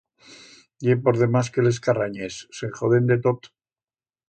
Ye por demás que les carranyes, se'n joden de tot.